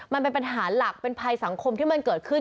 มันเป็นปัญหาหลักเป็นภัยสังคมที่มันเกิดขึ้น